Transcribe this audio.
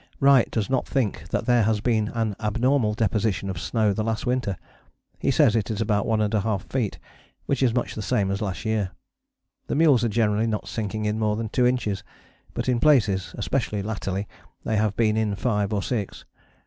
Wright does not think that there has been an abnormal deposition of snow the last winter; he says it is about 1½ feet, which is much the same as last year. The mules are generally not sinking in more than two inches, but in places, especially latterly, they have been in five, or six.